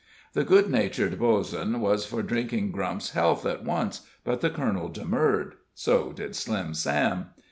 The good natured Bozen was for drinking Grump's health at once, but the colonel demurred. So did Slim Sam.